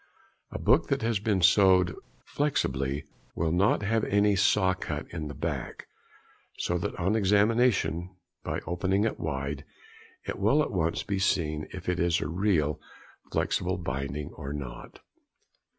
A book that has been sewed flexibly will not have any saw cut in the back, so that on examination, by opening it wide, it will at once be seen if it is a real flexible binding or not.